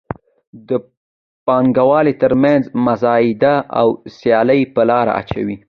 د پانګوالو تر مینځ مزایده او سیالي په لاره اچوي.